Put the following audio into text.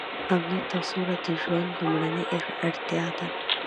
امنیت او سوله د ژوند لومړنۍ اړتیا ده.